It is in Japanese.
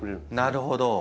なるほど。